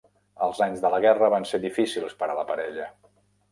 Els anys de la guerra van ser difícils per a la parella.